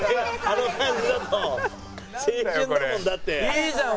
いいじゃん！